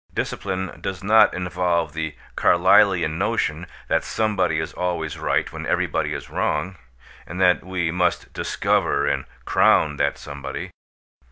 Discipline does not involve the Carlylean notion that somebody is always right when everybody is wrong, and that we must discover and crown that somebody.